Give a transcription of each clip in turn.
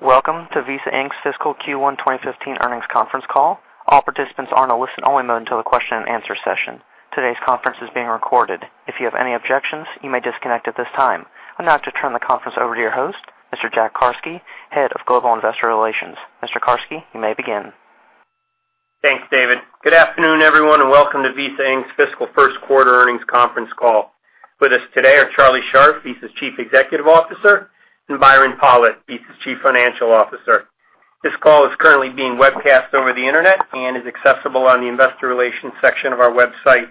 Welcome to Visa Inc.'s fiscal Q1 2015 earnings conference call. All participants are in a listen-only mode until the question and answer session. Today's conference is being recorded. If you have any objections, you may disconnect at this time. I'd now like to turn the conference over to your host, Mr. Jack Carsky, Head of Global Investor Relations. Mr. Carsky, you may begin. Thanks, David. Good afternoon, everyone, welcome to Visa Inc.'s fiscal first quarter earnings conference call. With us today are Charlie Scharf, Visa's Chief Executive Officer, and Byron Pollitt, Visa's Chief Financial Officer. This call is currently being webcast over the Internet and is accessible on the investor relations section of our website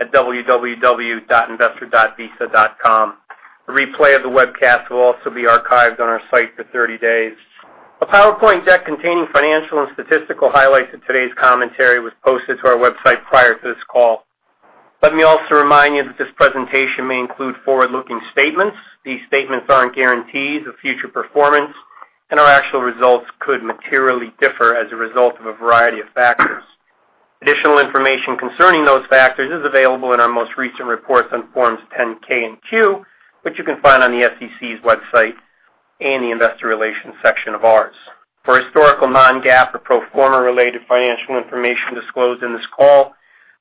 at www.investor.visa.com. A replay of the webcast will also be archived on our site for 30 days. A PowerPoint deck containing financial and statistical highlights of today's commentary was posted to our website prior to this call. Let me also remind you that this presentation may include forward-looking statements. These statements aren't guarantees of future performance, our actual results could materially differ as a result of a variety of factors. Additional information concerning those factors is available in our most recent reports on forms 10-K and Q, which you can find on the SEC's website and the investor relations section of ours. For historical non-GAAP or pro forma related financial information disclosed in this call,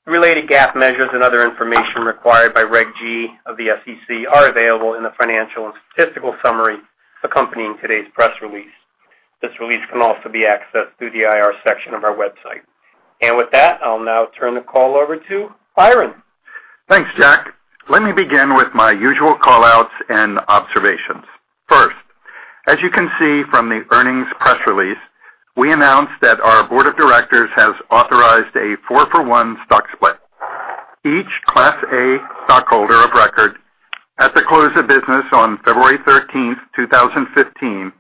related GAAP measures and other information required by Regulation G of the SEC are available in the financial and statistical summary accompanying today's press release. This release can also be accessed through the IR section of our website. With that, I'll now turn the call over to Byron. Thanks, Jack. Let me begin with my usual call-outs and observations. First, as you can see from the earnings press release, we announced that our board of directors has authorized a four-for-one stock split. Each Class A stockholder of record at the close of business on February 13th, 2015,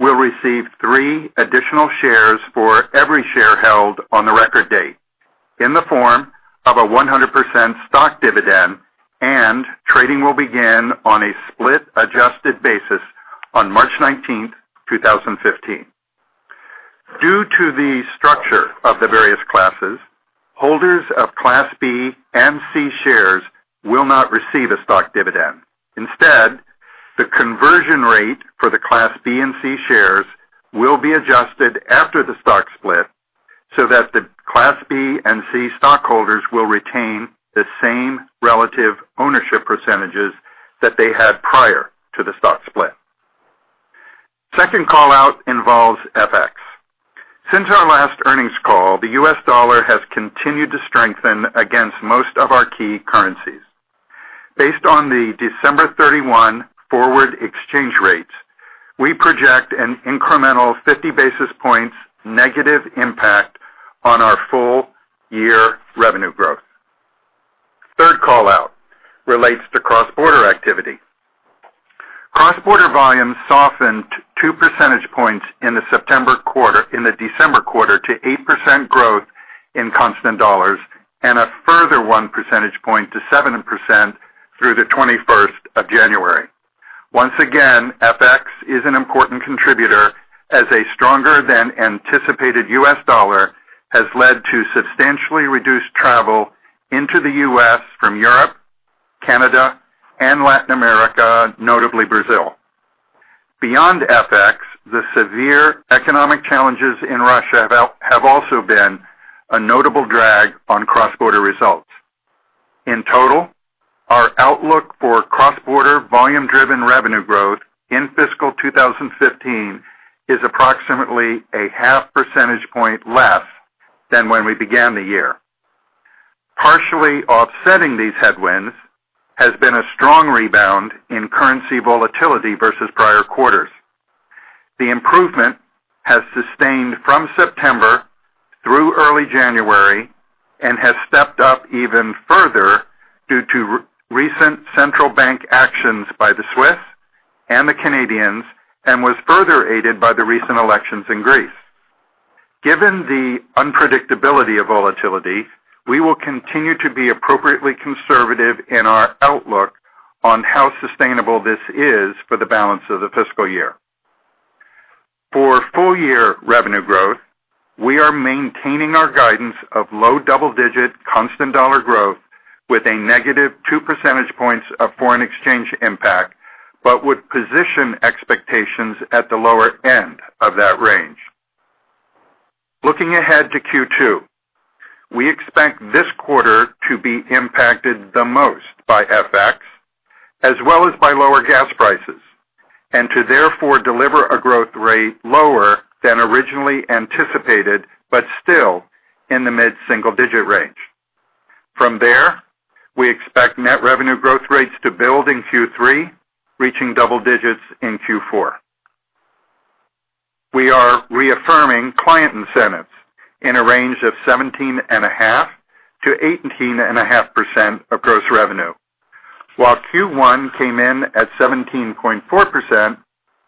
will receive three additional shares for every share held on the record date in the form of a 100% stock dividend, trading will begin on a split-adjusted basis on March 19th, 2015. Due to the structure of the various classes, holders of Class B and C shares will not receive a stock dividend. Instead, the conversion rate for the Class B and C shares will be adjusted after the stock split so that the Class B and C stockholders will retain the same relative ownership percentages that they had prior to the stock split. Second call-out involves FX. Since our last earnings call, the US dollar has continued to strengthen against most of our key currencies. Based on the December 31 forward exchange rates, we project an incremental 50 basis points negative impact on our full-year revenue growth. Third call-out relates to cross-border activity. Cross-border volumes softened two percentage points in the December quarter to 8% growth in constant dollars and a further one percentage point to 7% through the 21st of January. Once again, FX is an important contributor as a stronger-than-anticipated US dollar has led to substantially reduced travel into the U.S. from Europe, Canada, and Latin America, notably Brazil. Beyond FX, the severe economic challenges in Russia have also been a notable drag on cross-border results. In total, our outlook for cross-border volume-driven revenue growth in fiscal 2015 is approximately a half percentage point less than when we began the year. Partially offsetting these headwinds has been a strong rebound in currency volatility versus prior quarters. The improvement has sustained from September through early January and has stepped up even further due to recent central bank actions by the Swiss and the Canadians and was further aided by the recent elections in Greece. Given the unpredictability of volatility, we will continue to be appropriately conservative in our outlook on how sustainable this is for the balance of the fiscal year. For full-year revenue growth, we are maintaining our guidance of low double-digit constant dollar growth with a negative two percentage points of foreign exchange impact, but would position expectations at the lower end of that range. Looking ahead to Q2, we expect this quarter to be impacted the most by FX as well as by lower gas prices, and to therefore deliver a growth rate lower than originally anticipated, but still in the mid-single digit range. From there, we expect net revenue growth rates to build in Q3, reaching double digits in Q4. We are reaffirming client incentives in a range of 17.5%-18.5% of gross revenue. While Q1 came in at 17.4%,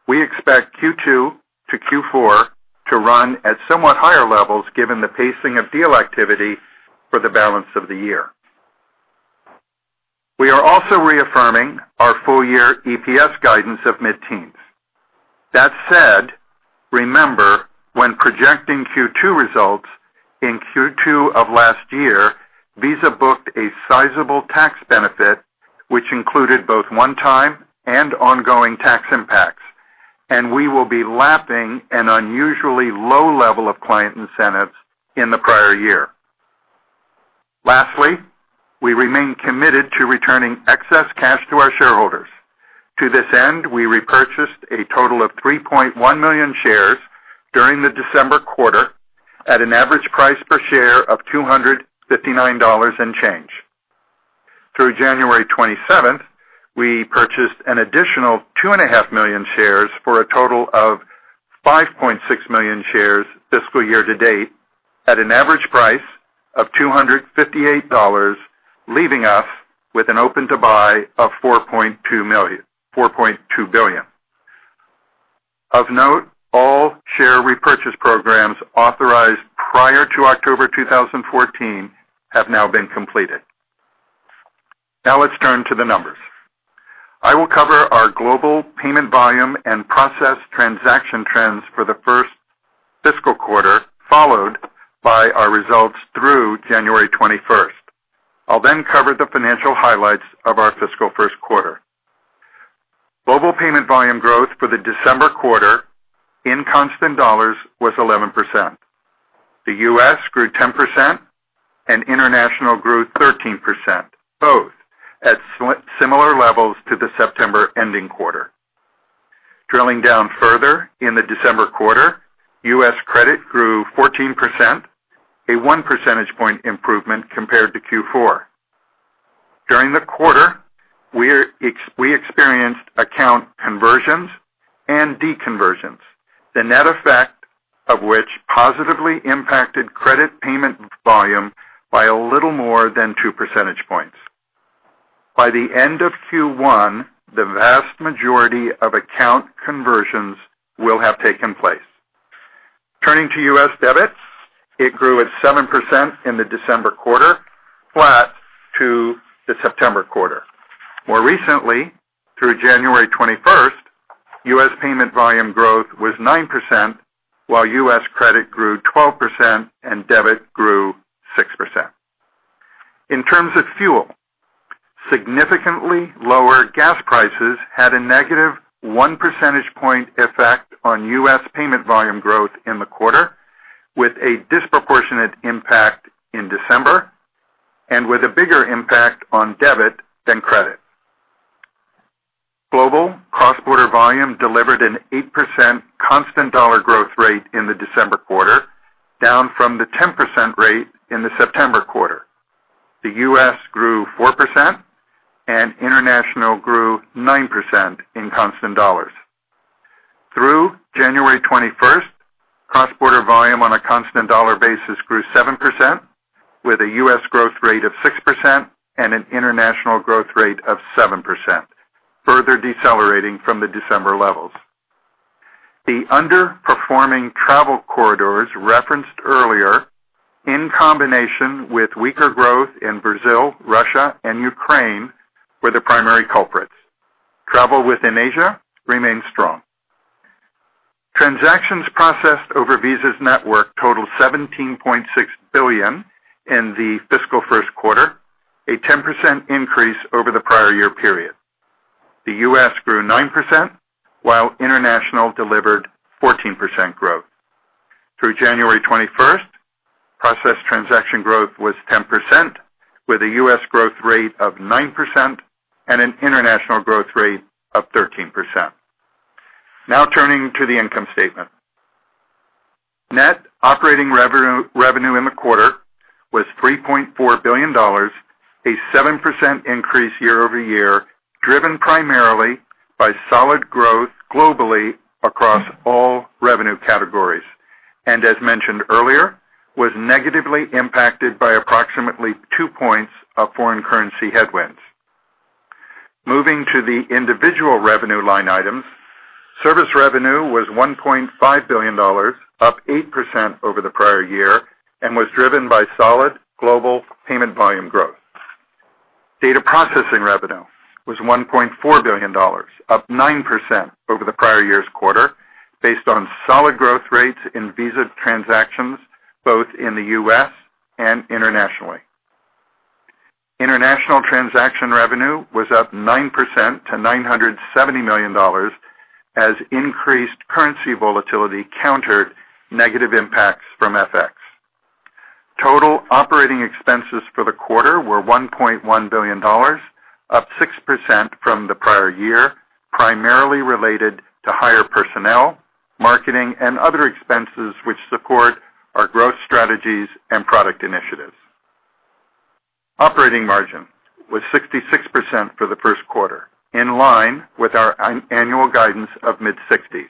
we expect Q2 to Q4 to run at somewhat higher levels given the pacing of deal activity for the balance of the year. We are also reaffirming our full-year EPS guidance of mid-teens. That said, remember, when projecting Q2 results, in Q2 of last year, Visa booked a sizable tax benefit, which included both one-time and ongoing tax impacts, and we will be lapping an unusually low level of client incentives in the prior year. Lastly, we remain committed to returning excess cash to our shareholders. To this end, we repurchased a total of 3.1 million shares during the December quarter at an average price per share of $259 and change. Through January 27th, we purchased an additional two and a half million shares for a total of 5.6 million shares fiscal year to date at an average price of $258, leaving us with an open to buy of $4.2 billion. Of note, all share repurchase programs authorized prior to October 2014 have now been completed. Now let's turn to the numbers. I will cover our global payment volume and process transaction trends for the first fiscal quarter, followed by our results through January 21st. I will then cover the financial highlights of our fiscal first quarter. Global payment volume growth for the December quarter in constant dollars was 11%. The U.S. grew 10% and international grew 13%, both at similar levels to the September-ending quarter. Drilling down further in the December quarter, U.S. credit grew 14%, a one percentage point improvement compared to Q4. During the quarter, we experienced account conversions and de conversions, the net effect of which positively impacted credit payment volume by a little more than two percentage points. By the end of Q1, the vast majority of account conversions will have taken place. Turning to U.S. debits, it grew at 7% in the December quarter, flat to the September quarter. More recently, through January 21st, U.S. payment volume growth was 9%, while U.S. credit grew 12% and debit grew 6%. In terms of fuel, significantly lower gas prices had a negative one percentage point effect on U.S. payment volume growth in the quarter, with a disproportionate impact in December and with a bigger impact on debit than credit. Global cross-border volume delivered an 8% constant dollar growth rate in the December quarter, down from the 10% rate in the September quarter. The U.S. grew 4% and international grew 9% in constant dollars. Through January 21st, cross-border volume on a constant dollar basis grew 7%, with a U.S. growth rate of 6% and an international growth rate of 7%, further decelerating from the December levels. The underperforming travel corridors referenced earlier, in combination with weaker growth in Brazil, Russia, and Ukraine, were the primary culprits. Travel within Asia remains strong. Transactions processed over Visa's network totaled $17.6 billion in the fiscal first quarter, a 10% increase over the prior year period. The U.S. grew 9%, while international delivered 14% growth. Through January 21st, processed transaction growth was 10%, with a U.S. growth rate of 9% and an international growth rate of 13%. Now turning to the income statement. Net operating revenue in the quarter was $3.4 billion, a 7% increase year-over-year, driven primarily by solid growth globally across all revenue categories, and as mentioned earlier, was negatively impacted by approximately two points of foreign currency headwinds. Moving to the individual revenue line items. Service revenue was $1.5 billion, up 8% over the prior year, and was driven by solid global payment volume growth. Data processing revenue was $1.4 billion, up 9% over the prior year's quarter based on solid growth rates in Visa transactions both in the U.S. and internationally. International transaction revenue was up 9% to $970 million as increased currency volatility countered negative impacts from FX. Total operating expenses for the quarter were $1.1 billion, up 6% from the prior year, primarily related to higher personnel, marketing, and other expenses which support our growth strategies and product initiatives. Operating margin was 66% for the first quarter, in line with our annual guidance of mid-60s.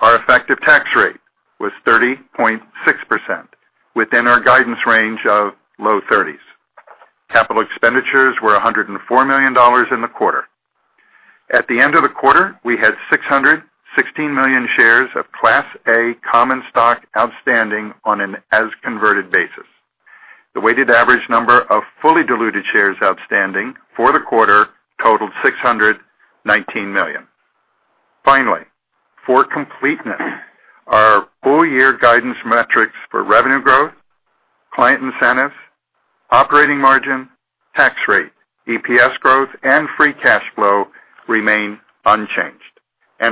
Our effective tax rate was 30.6% within our guidance range of low 30s. Capital expenditures were $104 million in the quarter. At the end of the quarter, we had 616 million shares of Class A common stock outstanding on an as-converted basis. The weighted average number of fully diluted shares outstanding for the quarter totaled 619 million. Finally, for completeness, our full year guidance metrics for revenue growth, client incentives, operating margin, tax rate, EPS growth, and free cash flow remain unchanged.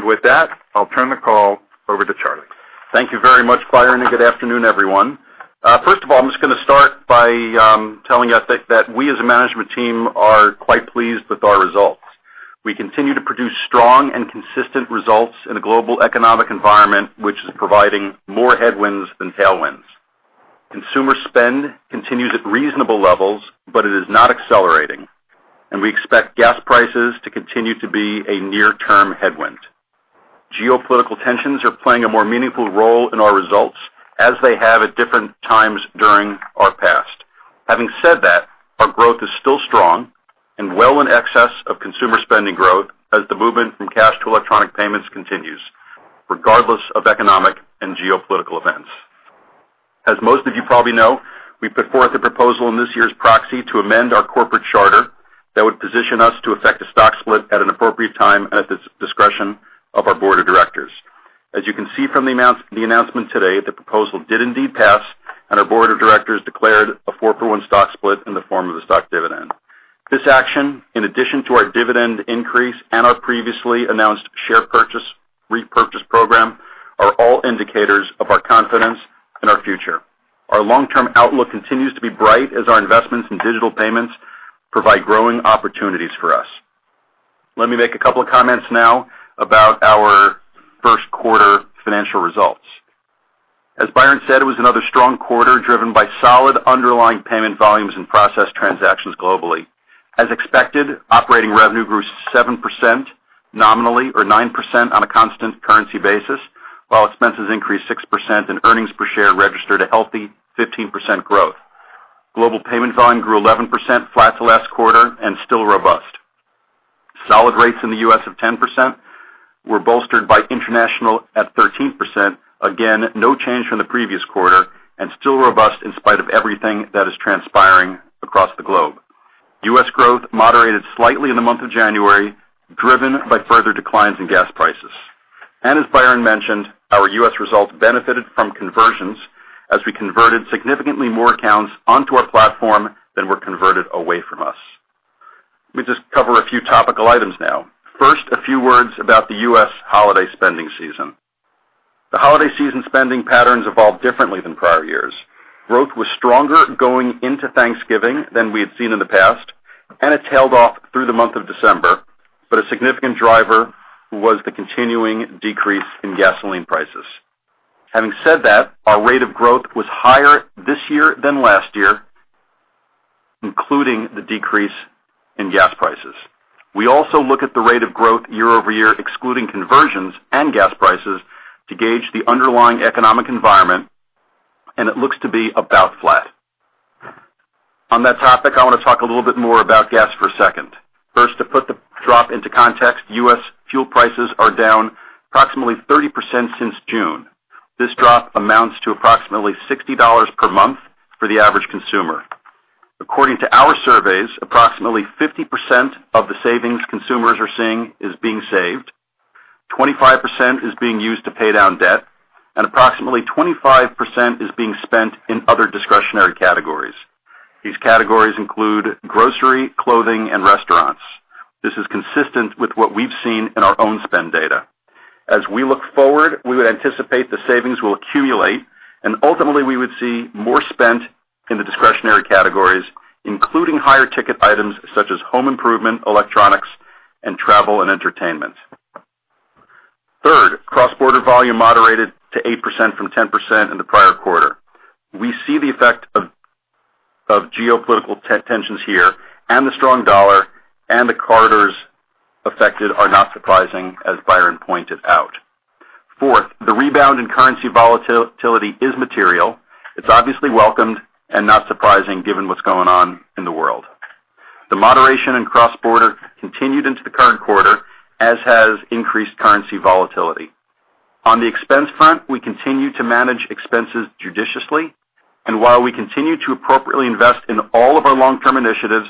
With that, I'll turn the call over to Charlie. Thank you very much, Byron. Good afternoon, everyone. First of all, I'm just going to start by telling you that we as a management team are quite pleased with our results. We continue to produce strong and consistent results in a global economic environment which is providing more headwinds than tailwinds. Consumer spend continues at reasonable levels, it is not accelerating, and we expect gas prices to continue to be a near-term headwind. Geopolitical tensions are playing a more meaningful role in our results, as they have at different times during our past. Having said that, our growth is still strong and well in excess of consumer spending growth as the movement from cash to electronic payments continues regardless of economic and geopolitical events. As most of you probably know, we put forth a proposal in this year's proxy to amend our corporate charter that would position us to affect a stock split at an appropriate time at the discretion of our board of directors. As you can see from the announcement today, the proposal did indeed pass, our board of directors declared a four-for-one stock split in the form of a stock dividend. This action, in addition to our dividend increase and our previously announced share purchase repurchase program, are all indicators of our confidence in our future. Our long-term outlook continues to be bright as our investments in digital payments provide growing opportunities for us. Let me make a couple of comments now about our first quarter financial results. As Byron said, it was another strong quarter, driven by solid underlying payment volumes and processed transactions globally. As expected, operating revenue grew 7% nominally or 9% on a constant currency basis, while expenses increased 6% and earnings per share registered a healthy 15% growth. Global payment volume grew 11%, flat to last quarter and still robust. Solid rates in the U.S. of 10% were bolstered by international at 13%. Again, no change from the previous quarter and still robust in spite of everything that is transpiring across the globe. U.S. growth moderated slightly in the month of January, driven by further declines in gas prices. As Byron mentioned, our U.S. results benefited from conversions as we converted significantly more accounts onto our platform than were converted away from us. Let me just cover a few topical items now. First, a few words about the U.S. holiday spending season. The holiday season spending patterns evolved differently than prior years. Growth was stronger going into Thanksgiving than we had seen in the past. It tailed off through the month of December, but a significant driver was the continuing decrease in gasoline prices. Having said that, our rate of growth was higher this year than last year, including the decrease in gas prices. We also look at the rate of growth year-over-year, excluding conversions and gas prices, to gauge the underlying economic environment. It looks to be about flat. On that topic, I want to talk a little bit more about gas for a second. First, to put the drop into context, U.S. fuel prices are down approximately 30% since June. This drop amounts to approximately $60 per month for the average consumer. According to our surveys, approximately 50% of the savings consumers are seeing is being saved, 25% is being used to pay down debt. Approximately 25% is being spent in other discretionary categories. These categories include grocery, clothing, and restaurants. This is consistent with what we've seen in our own spend data. As we look forward, we would anticipate the savings will accumulate. Ultimately, we would see more spent in the discretionary categories, including higher-ticket items such as home improvement, electronics, and travel and entertainment. Third, cross-border volume moderated to 8% from 10% in the prior quarter. We see the effect of geopolitical tensions here. The strong dollar and the corridors affected are not surprising, as Byron pointed out. Fourth, the rebound in currency volatility is material. It's obviously welcomed and not surprising given what's going on in the world. The moderation in cross-border continued into the current quarter, as has increased currency volatility. On the expense front, we continue to manage expenses judiciously. While we continue to appropriately invest in all of our long-term initiatives,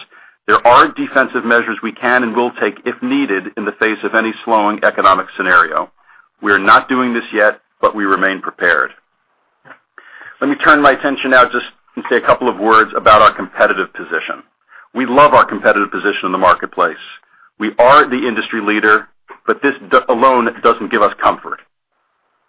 there are defensive measures we can and will take if needed in the face of any slowing economic scenario. We are not doing this yet. We remain prepared. Let me turn my attention now just to say a couple of words about our competitive position. We love our competitive position in the marketplace. We are the industry leader. This alone doesn't give us comfort.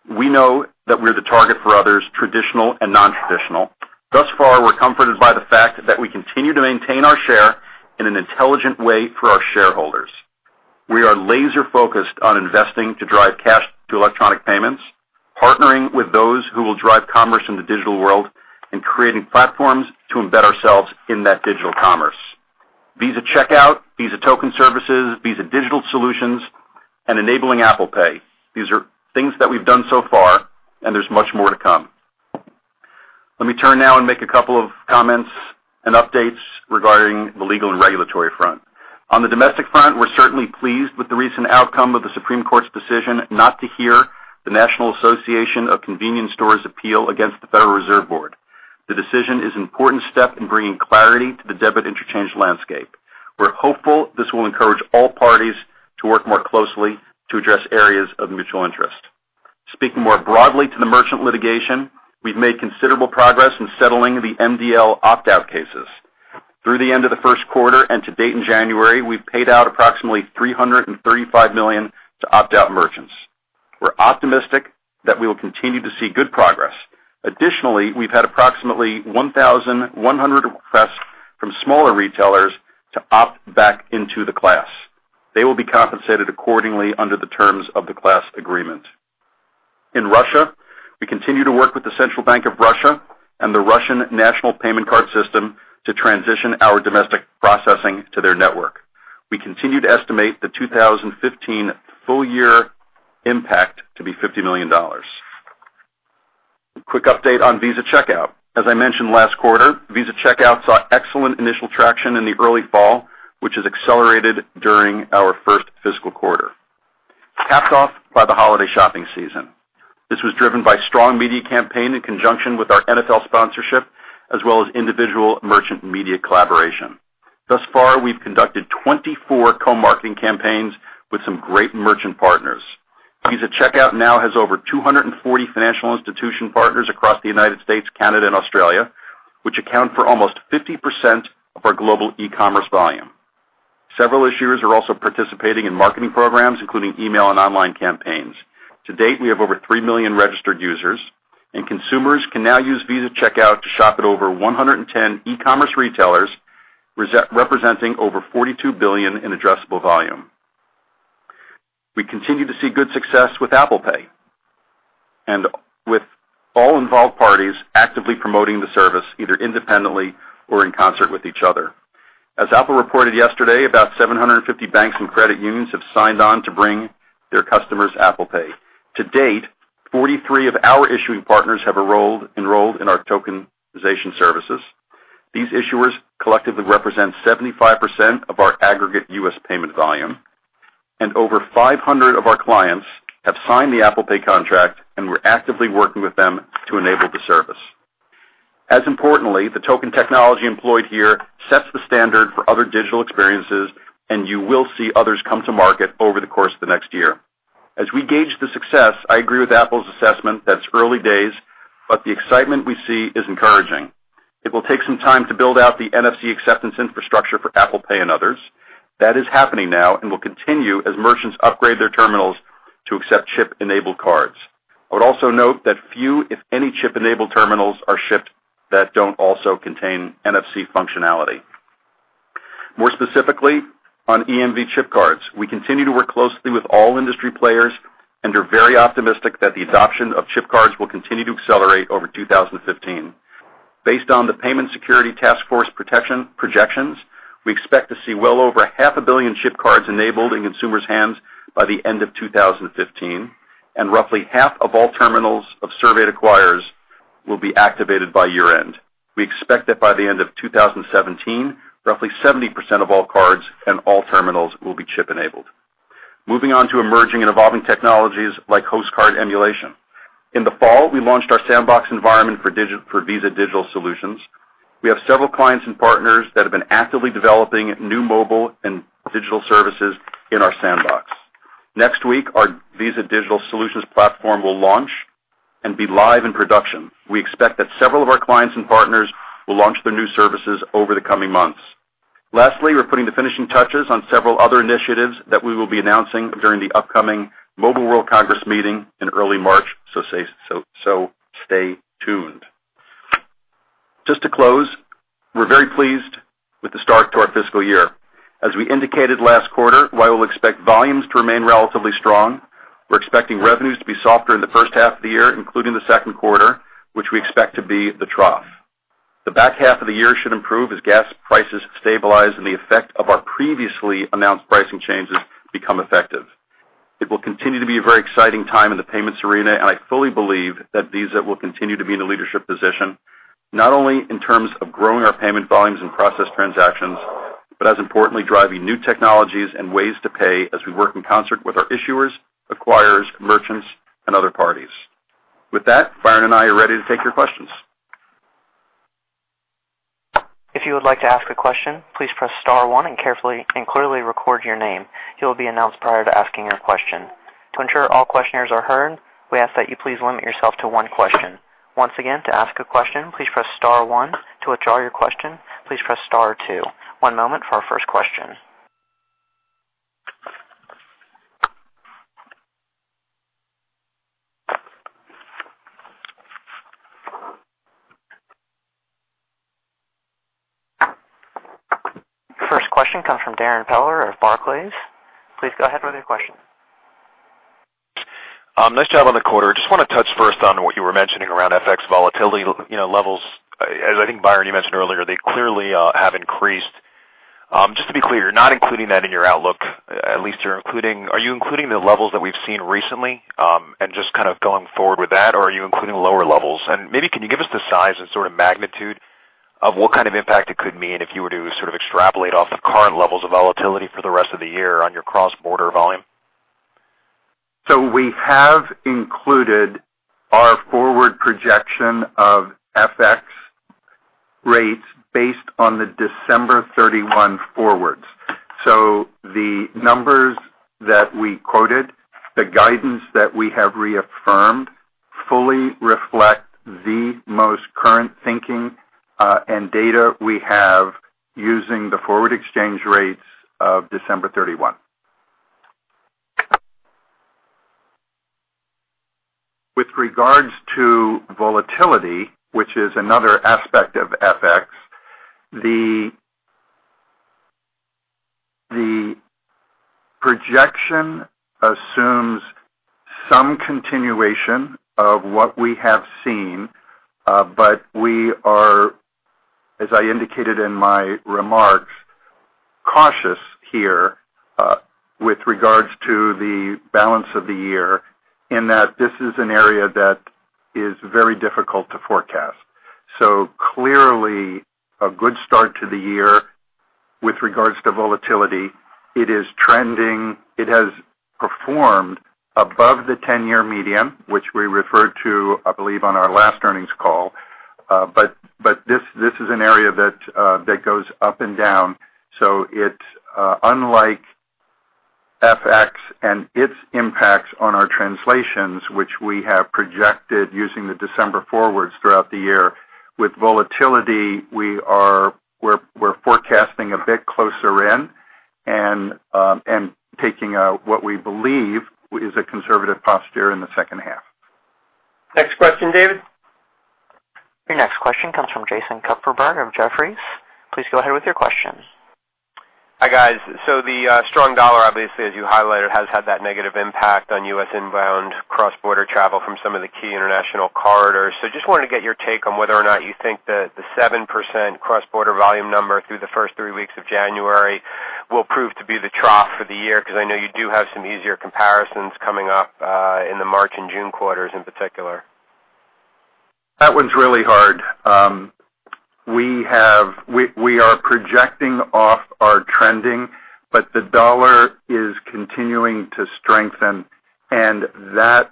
We know that we're the target for others, traditional and non-traditional. Thus far, we're comforted by the fact that we continue to maintain our share in an intelligent way for our shareholders. We are laser-focused on investing to drive cash to electronic payments, partnering with those who will drive commerce in the digital world, creating platforms to embed ourselves in that digital commerce. Visa Checkout, Visa Token Service, Visa Digital Solutions, and enabling Apple Pay. These are things that we've done so far. There's much more to come. Let me turn now, make a couple of comments and updates regarding the legal and regulatory front. On the domestic front, we're certainly pleased with the recent outcome of the Supreme Court's decision not to hear the National Association of Convenience Stores' appeal against the Federal Reserve Board. The decision is an important step in bringing clarity to the debit interchange landscape. We're hopeful this will encourage all parties to work more closely to address areas of mutual interest. Speaking more broadly to the merchant litigation, we've made considerable progress in settling the MDL opt-out cases. Through the end of the first quarter and to date in January, we've paid out approximately $335 million to opt-out merchants. We're optimistic that we will continue to see good progress. Additionally, we've had approximately 1,100 requests from smaller retailers to opt back into the class. They will be compensated accordingly under the terms of the class agreement. In Russia, we continue to work with the Central Bank of Russia and the National Payment Card System to transition our domestic processing to their network. We continue to estimate the 2015 full-year impact to be $50 million. A quick update on Visa Checkout. As I mentioned last quarter, Visa Checkout saw excellent initial traction in the early fall, which has accelerated during our first fiscal quarter, capped off by the holiday shopping season. This was driven by a strong media campaign in conjunction with our NFL sponsorship, as well as individual merchant media collaboration. Thus far, we've conducted 24 co-marketing campaigns with some great merchant partners. Visa Checkout now has over 240 financial institution partners across the United States, Canada, and Australia, which account for almost 50% of our global e-commerce volume. Several issuers are also participating in marketing programs, including email and online campaigns. To date, we have over 3 million registered users, and consumers can now use Visa Checkout to shop at over 110 e-commerce retailers, representing over $42 billion in addressable volume. We continue to see good success with Apple Pay and with all involved parties actively promoting the service, either independently or in concert with each other. As Apple reported yesterday, about 750 banks and credit unions have signed on to bring their customers Apple Pay. To date, 43 of our issuing partners have enrolled in our tokenization services. These issuers collectively represent 75% of our aggregate U.S. payment volume, and over 500 of our clients have signed the Apple Pay contract, and we're actively working with them to enable the service. As importantly, the token technology employed here sets the standard for other digital experiences, and you will see others come to market over the course of the next year. As we gauge the success, I agree with Apple's assessment that it's early days, but the excitement we see is encouraging. It will take some time to build out the NFC acceptance infrastructure for Apple Pay and others. That is happening now and will continue as merchants upgrade their terminals to accept chip-enabled cards. I would also note that few, if any, chip-enabled terminals are shipped that don't also contain NFC functionality. More specifically, on EMV chip cards, we continue to work closely with all industry players and are very optimistic that the adoption of chip cards will continue to accelerate over 2015. Based on the Payment Security Task Force projections, we expect to see well over half a billion chip cards enabled in consumers' hands by the end of 2015, and roughly half of all terminals of surveyed acquirers will be activated by year-end. We expect that by the end of 2017, roughly 70% of all cards and all terminals will be chip-enabled. Moving on to emerging and evolving technologies like host card emulation. In the fall, we launched our sandbox environment for Visa Digital Solutions. We have several clients and partners that have been actively developing new mobile and digital services in our sandbox. Next week, our Visa Digital Solutions platform will launch and be live in production. We expect that several of our clients and partners will launch their new services over the coming months. We're putting the finishing touches on several other initiatives that we will be announcing during the upcoming Mobile World Congress meeting in early March, so stay tuned. Just to close, we're very pleased with the start to our fiscal year. As we indicated last quarter, while we expect volumes to remain relatively strong, we're expecting revenues to be softer in the first half of the year, including the second quarter, which we expect to be the trough. The back half of the year should improve as gas prices stabilize and the effect of our previously announced pricing changes become effective. It will continue to be a very exciting time in the payments arena, and I fully believe that Visa will continue to be in a leadership position, not only in terms of growing our payment volumes and processed transactions, but as importantly, driving new technologies and ways to pay as we work in concert with our issuers, acquirers, merchants, and other parties. With that, Byron and I are ready to take your questions. If you would like to ask a question, please press *1 and clearly record your name. You will be announced prior to asking your question. To ensure all questioners are heard, we ask that you please limit yourself to one question. Once again, to ask a question, please press *1. To withdraw your question, please press *2. One moment for our first question. First question comes from Darrin Peller of Barclays. Please go ahead with your question. Nice job on the quarter. Just want to touch first on what you were mentioning around FX volatility levels. As I think, Byron, you mentioned earlier, they clearly have increased. Just to be clear, you're not including that in your outlook. Are you including the levels that we've seen recently, and just kind of going forward with that, or are you including lower levels? Maybe can you give us the size and sort of magnitude of what kind of impact it could mean if you were to sort of extrapolate off of current levels of volatility for the rest of the year on your cross-border volume? We have included our forward projection of FX rates based on the December 31 forwards. The numbers that we quoted, the guidance that we have reaffirmed, fully reflect the most current thinking, and data we have using the forward exchange rates of December 31. With regards to volatility, which is another aspect of FX, the projection assumes some continuation of what we have seen, but we are, as I indicated in my remarks, cautious here, with regards to the balance of the year in that this is an area that is very difficult to forecast. Clearly, a good start to the year with regards to volatility. It is trending. It has performed above the 10-year median, which we referred to, I believe, on our last earnings call. This is an area that goes up and down. It's, unlike FX and its impacts on our translations, which we have projected using the December forwards throughout the year. With volatility, we're forecasting a bit closer in and taking what we believe is a conservative posture in the second half. Next question, David. Your next question comes from Jason Kupferberg of Jefferies. Please go ahead with your question. Hi, guys. The strong dollar, obviously, as you highlighted, has had that negative impact on U.S. inbound cross-border travel from some of the key international corridors. Just wanted to get your take on whether or not you think that the 7% cross-border volume number through the first three weeks of January will prove to be the trough for the year, because I know you do have some easier comparisons coming up in the March and June quarters in particular. That one's really hard. We are projecting off our trending, but the dollar is continuing to strengthen, and that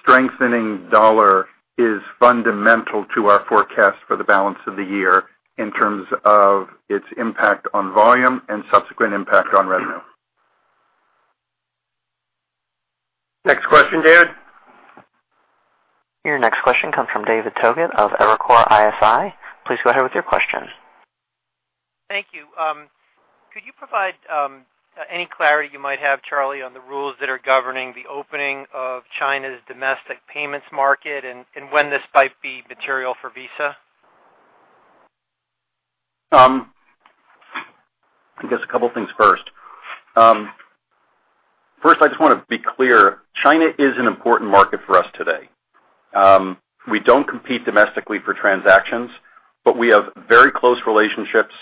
strengthening dollar is fundamental to our forecast for the balance of the year in terms of its impact on volume and subsequent impact on revenue. Next question, David. Your next question comes from David Togut of Evercore ISI. Please go ahead with your question. Thank you. Could you provide any clarity you might have, Charlie, on the rules that are governing the opening of China's domestic payments market and when this might be material for Visa? I guess a couple of things first. First, I just want to be clear. China is an important market for us today. We don't compete domestically for transactions, but we have very close relationships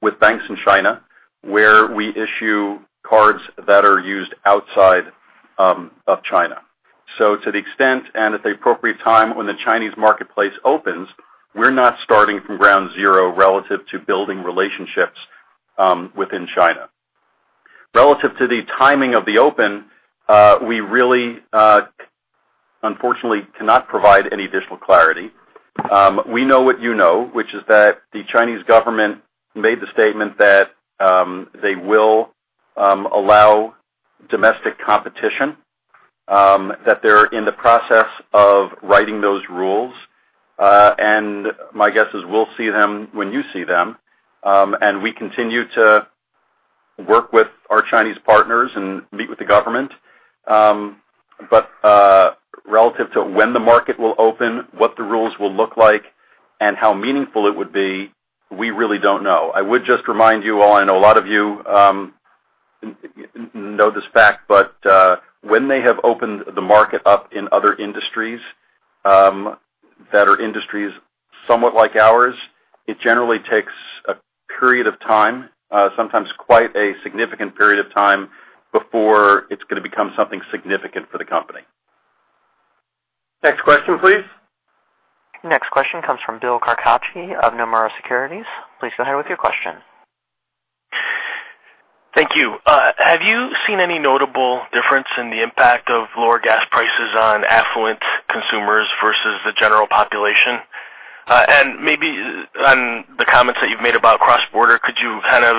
with banks in China, where we issue cards that are used outside of China. To the extent and at the appropriate time when the Chinese marketplace opens, we're not starting from ground zero relative to building relationships within China. Relative to the timing of the open, we really, unfortunately, cannot provide any additional clarity. We know what you know, which is that the Chinese government made the statement that they will allow domestic competition, that they're in the process of writing those rules. My guess is we'll see them when you see them. We continue to work with our Chinese partners and meet with the government. Relative to when the market will open, what the rules will look like, and how meaningful it would be, we really don't know. I would just remind you all, I know a lot of you know this fact, but when they have opened the market up in other industries that are industries somewhat like ours, it generally takes a period of time, sometimes quite a significant period of time before it's going to become something significant for the company. Next question, please. Next question comes from Bill Carcache of Nomura Securities. Please go ahead with your question. Thank you. Have you seen any notable difference in the impact of lower gas prices on affluent consumers versus the general population? Maybe on the comments that you've made about cross-border, could you kind of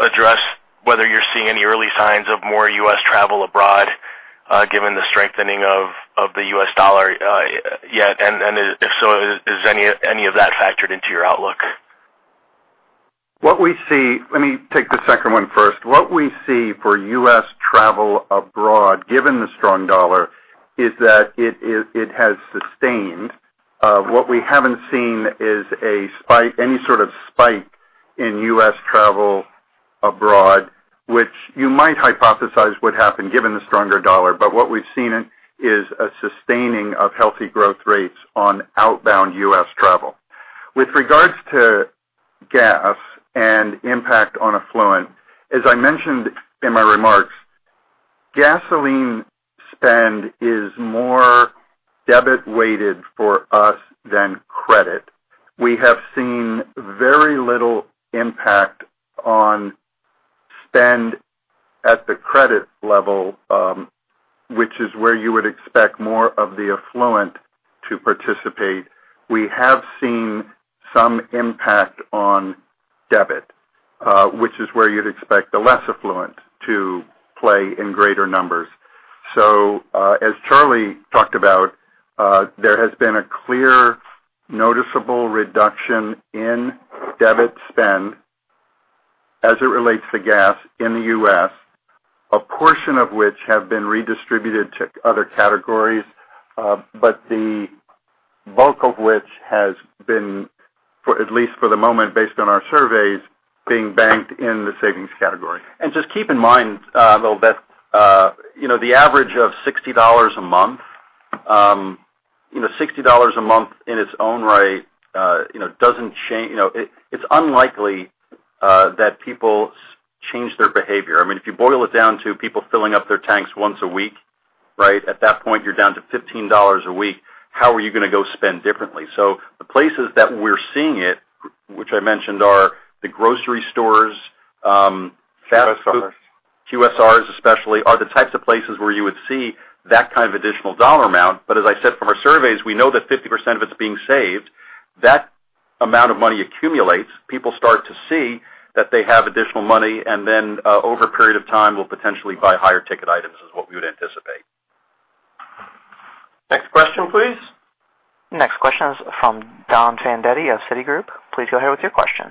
address whether you're seeing any early signs of more U.S. travel abroad, given the strengthening of the U.S. dollar yet? If so, is any of that factored into your outlook? Let me take the second one first. What we see for U.S. travel abroad, given the strong dollar, is that it has sustained. What we haven't seen is any sort of spike in U.S. travel abroad, which you might hypothesize would happen given the stronger dollar. What we've seen is a sustaining of healthy growth rates on outbound U.S. travel. With regards to gas and impact on affluent, as I mentioned in my remarks, gasoline spend is more debit-weighted for us than credit. We have seen very little impact on spend at the credit level, which is where you would expect more of the affluent to participate. We have seen some impact on debit, which is where you'd expect the less affluent to play in greater numbers. As Charlie talked about, there has been a clear noticeable reduction in debit spend as it relates to gas in the U.S., a portion of which have been redistributed to other categories, but the bulk of which has been, at least for the moment based on our surveys, being banked in the savings category. Just keep in mind a little bit, the average of $60 a month. $60 a month in its own right, it's unlikely that people change their behavior. If you boil it down to people filling up their tanks once a week, right? At that point, you're down to $15 a week. How are you going to go spend differently? The places that we're seeing it, which I mentioned, are the grocery stores. QSRs. QSRs especially are the types of places where you would see that kind of additional dollar amount. As I said, from our surveys, we know that 50% of it's being saved. That amount of money accumulates. People start to see that they have additional money, and then, over a period of time, will potentially buy higher ticket items, is what we would anticipate. Next question, please. Next question is from Donald Fandetti of Citigroup. Please go ahead with your question.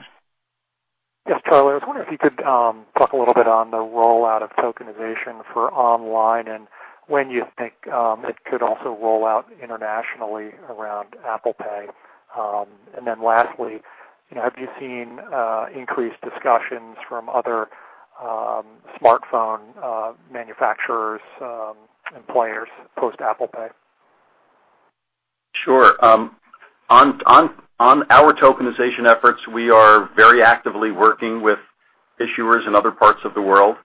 Yes, Charlie, I was wondering if you could talk a little bit on the rollout of tokenization for online and when you think it could also roll out internationally around Apple Pay. Lastly, have you seen increased discussions from other smartphone manufacturers and players post Apple Pay? Sure. On our tokenization efforts, we are very actively working with issuers in other parts of the world,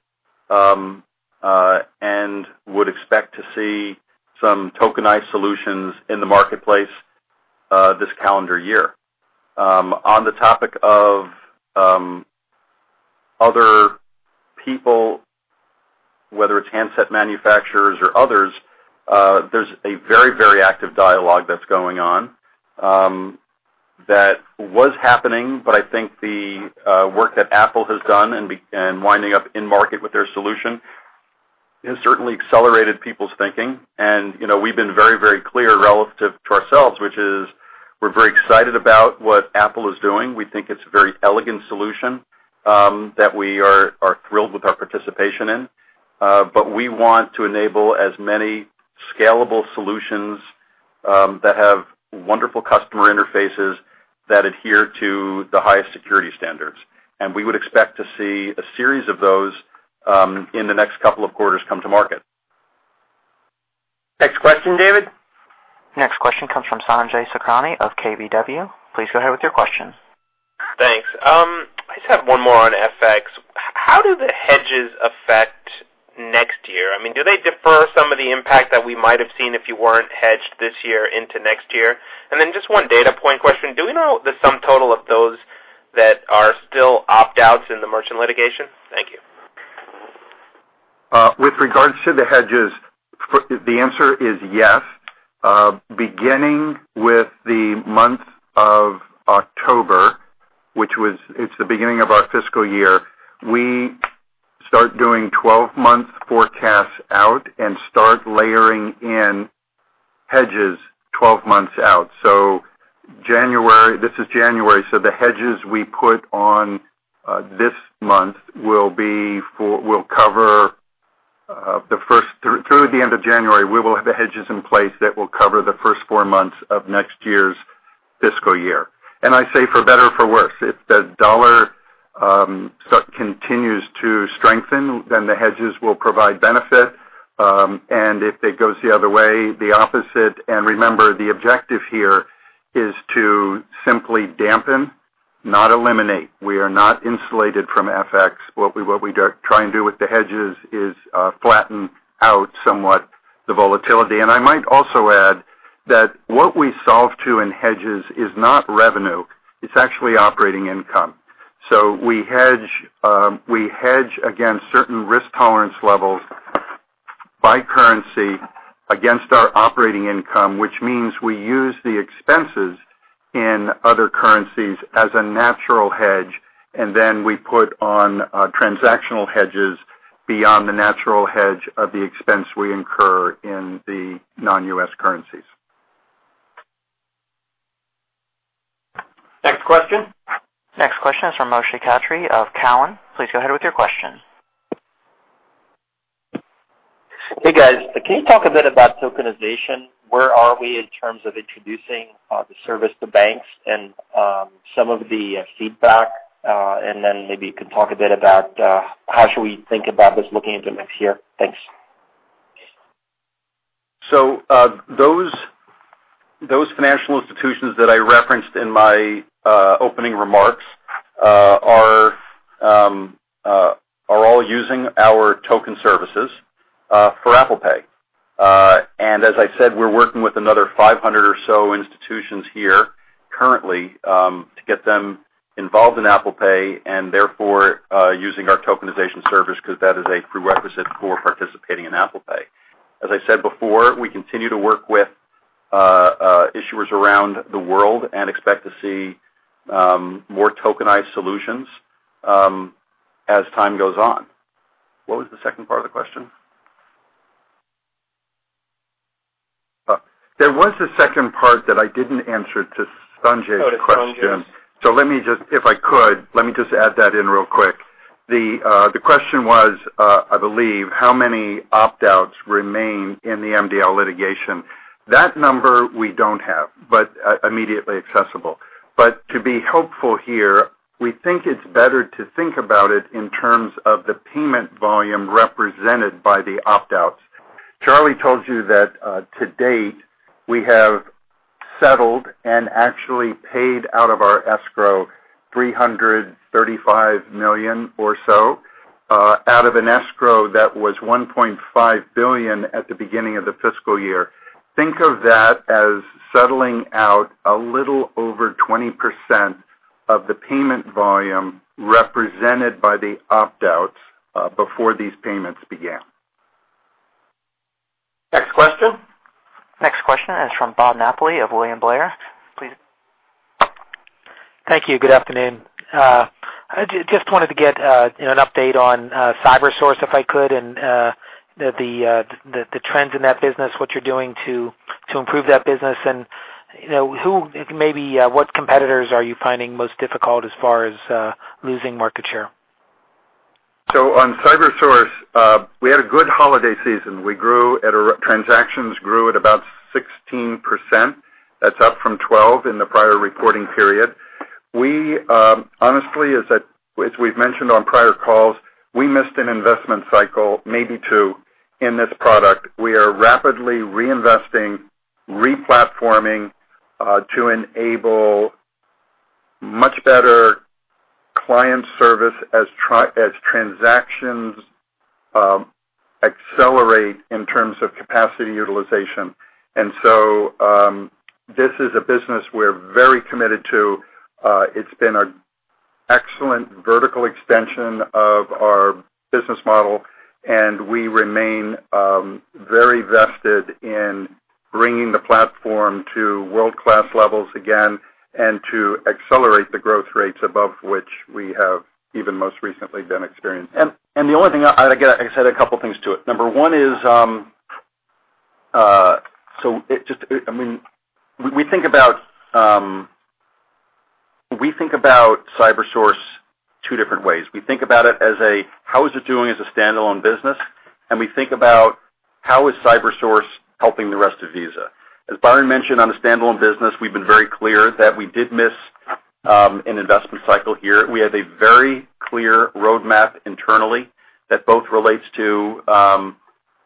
and would expect to see some tokenized solutions in the marketplace this calendar year. On the topic of other people, whether it's handset manufacturers or others, there's a very active dialogue that's going on that was happening, but I think the work that Apple has done and winding up in market with their solution has certainly accelerated people's thinking. We've been very clear relative to ourselves, which is we're very excited about what Apple is doing. We think it's a very elegant solution that we are thrilled with our participation in. We want to enable as many scalable solutions that have wonderful customer interfaces that adhere to the highest security standards. We would expect to see a series of those in the next couple of quarters come to market. Next question, David. Next question comes from Sanjay Sakhrani of KBW. Please go ahead with your question. Thanks. I just have one more on FX. How do the hedges affect next year? Do they defer some of the impact that we might have seen if you weren't hedged this year into next year? Just one data point question. Do we know the sum total of those that are still opt-outs in the merchant litigation? Thank you. With regards to the hedges, the answer is yes. Beginning with the month of October, which it's the beginning of our fiscal year, we start doing 12-month forecasts out and start layering in hedges 12 months out. This is January, so the hedges we put on this month will cover the first through the end of January, we will have the hedges in place that will cover the first four months of next year's fiscal year. I say for better or for worse. If the dollar continues to strengthen, then the hedges will provide benefit. If it goes the other way, the opposite. Remember, the objective here is to simply dampen, not eliminate. We are not insulated from FX. What we try and do with the hedges is flatten out somewhat the volatility. I might also add that what we solve to in hedges is not revenue, it's actually operating income. We hedge against certain risk tolerance levels by currency against our operating income, which means we use the expenses in other currencies as a natural hedge, then we put on transactional hedges beyond the natural hedge of the expense we incur in the non-U.S. currencies. Next question. Next question is from Moshe Katri of Cowen. Please go ahead with your question. Hey, guys. Can you talk a bit about tokenization? Where are we in terms of introducing the service to banks and some of the feedback? Maybe you could talk a bit about how should we think about this looking into next year. Thanks. Those financial institutions that I referenced in my opening remarks are all using our token services for Apple Pay. As I said, we're working with another 500 or so institutions here currently to get them involved in Apple Pay and therefore using our tokenization service because that is a prerequisite for participating in Apple Pay. As I said before, we continue to work with issuers around the world and expect to see more tokenized solutions as time goes on. What was the second part of the question? There was a second part that I didn't answer to Sanjay's question. To Sanjay's. Let me just, if I could, let me just add that in real quick. The question was, I believe, how many opt-outs remain in the MDL litigation? That number we don't have immediately accessible. To be helpful here, we think it's better to think about it in terms of the payment volume represented by the opt-outs. Charlie told you that to date, we have settled and actually paid out of our escrow $335 million or so out of an escrow that was $1.5 billion at the beginning of the fiscal year. Think of that as settling out a little over 20% of the payment volume represented by the opt-outs before these payments began. Next question. Next question is from Robert Napoli of William Blair. Please Thank you. Good afternoon. I just wanted to get an update on CyberSource, if I could, and the trends in that business, what you're doing to improve that business and maybe what competitors are you finding most difficult as far as losing market share. On CyberSource, we had a good holiday season. Transactions grew at about 16%. That's up from 12% in the prior reporting period. We honestly, as we've mentioned on prior calls, we missed an investment cycle, maybe two, in this product. We are rapidly reinvesting, replatforming to enable much better client service as transactions accelerate in terms of capacity utilization. This is a business we're very committed to. It's been an excellent vertical extension of our business model, and we remain very vested in bringing the platform to world-class levels again and to accelerate the growth rates above which we have even most recently been experiencing. The only thing, I said a couple things to it. Number one is, we think about CyberSource two different ways. We think about it as a how is it doing as a standalone business, and we think about how is CyberSource helping the rest of Visa. As Byron mentioned, on a standalone business, we've been very clear that we did miss an investment cycle here. We have a very clear roadmap internally that both relates to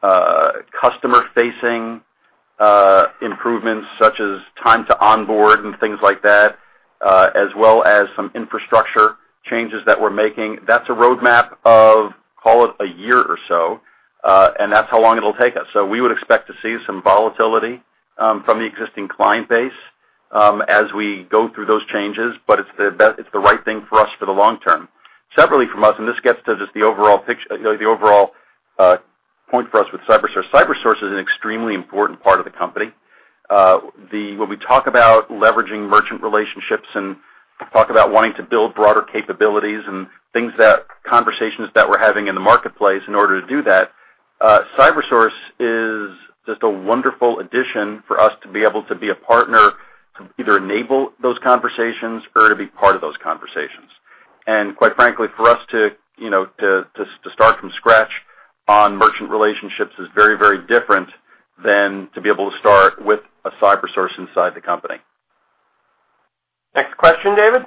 customer-facing improvements such as time to onboard and things like that as well as some infrastructure changes that we're making. That's a roadmap of, call it a year or so and that's how long it'll take us. We would expect to see some volatility from the existing client base as we go through those changes, but it's the right thing for us for the long term. Separately from us, this gets to just the overall point for us with CyberSource. CyberSource is an extremely important part of the company. When we talk about leveraging merchant relationships and talk about wanting to build broader capabilities and conversations that we're having in the marketplace in order to do that, CyberSource is just a wonderful addition for us to be able to be a partner to either enable those conversations or to be part of those conversations. Quite frankly, for us to start from scratch on merchant relationships is very different than to be able to start with a CyberSource inside the company. Next question, David.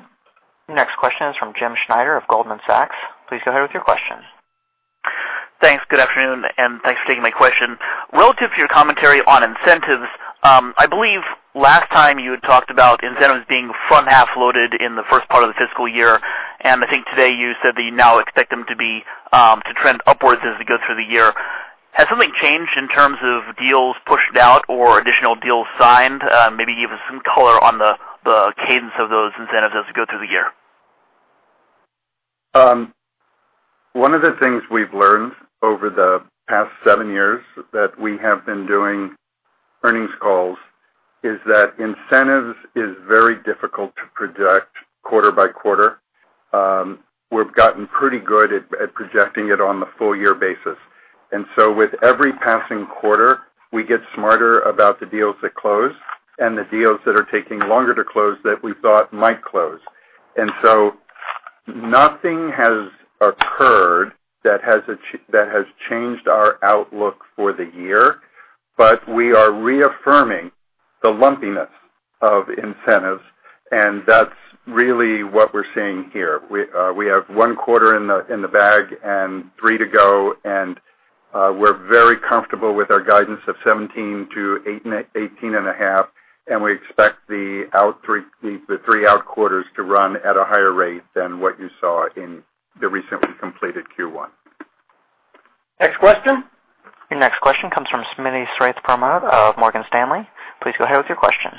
Next question is from James Schneider of Goldman Sachs. Please go ahead with your question. Thanks. Good afternoon, and thanks for taking my question. Relative to your commentary on incentives, I believe last time you had talked about incentives being front half loaded in the first part of the fiscal year. I think today you said that you now expect them to trend upwards as we go through the year. Has something changed in terms of deals pushed out or additional deals signed? Maybe give us some color on the cadence of those incentives as we go through the year. One of the things we've learned over the past seven years that we have been doing earnings calls is that incentives is very difficult to project quarter by quarter. We've gotten pretty good at projecting it on the full year basis. With every passing quarter, we get smarter about the deals that close and the deals that are taking longer to close that we thought might close. Nothing has occurred that has changed our outlook for the year, but we are reaffirming the lumpiness of incentives, and that's really what we're seeing here. We have one quarter in the bag and three to go. We're very comfortable with our guidance of 17%-18.5%. We expect the three out quarters to run at a higher rate than what you saw in the recently completed Q1. Next question. Your next question comes from Smitti Srethapramote of Morgan Stanley. Please go ahead with your question.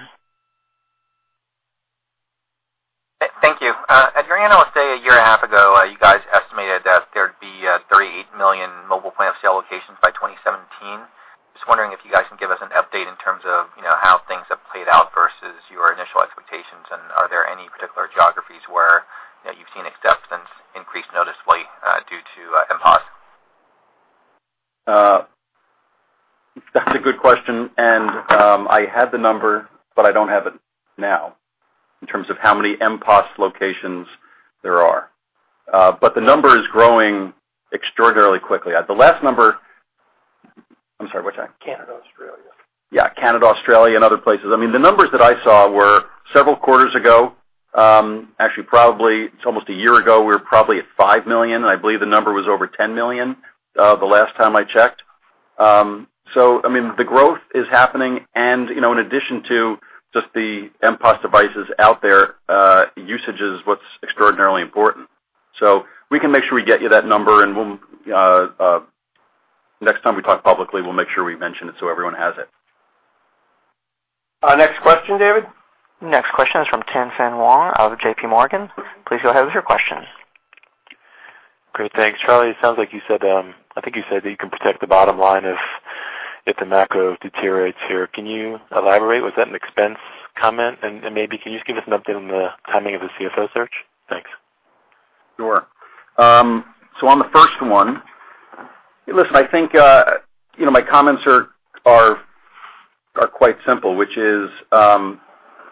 Thank you. At your analyst day a year and a half ago, you guys estimated that there'd be 38 million mobile point-of-sale locations by 2017. Just wondering if you guys can give us an update in terms of how things have played out versus your initial expectations, and are there any particular geographies where you've seen acceptance increase noticeably due to MPOS? That's a good question, and I had the number, but I don't have it now in terms of how many MPOS locations there are. The number is growing extraordinarily quickly. The last number I'm sorry, which one? Canada, Australia. Yeah, Canada, Australia, and other places. The numbers that I saw were several quarters ago. Actually, probably it's almost a year ago. We were probably at 5 million. I believe the number was over 10 million the last time I checked. The growth is happening and in addition to just the MPOS devices out there, usage is what's extraordinarily important. We can make sure we get you that number and next time we talk publicly, we'll make sure we mention it so everyone has it. Next question, David. Next question is from Tien-Tsin Huang of JPMorgan. Please go ahead with your question. Great. Thanks, Charlie. I think you said that you can protect the bottom line if the macro deteriorates here. Can you elaborate? Was that an expense comment? Maybe can you just give us an update on the timing of the CFO search? Thanks. On the first one, listen, I think my comments are quite simple, which is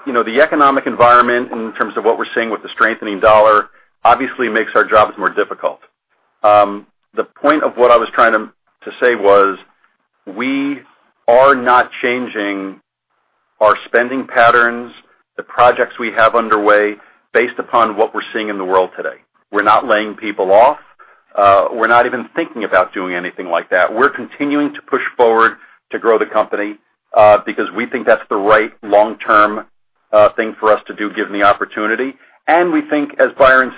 the economic environment in terms of what we're seeing with the strengthening dollar obviously makes our jobs more difficult. The point of what I was trying to say was we are not changing our spending patterns, the projects we have underway based upon what we're seeing in the world today. We're not laying people off. We're not even thinking about doing anything like that. We're continuing to push forward to grow the company because we think that's the right long-term thing for us to do given the opportunity. We think as Byron